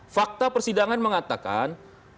fakta persidangan mengatakan